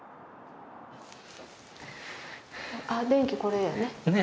あ電気これやね。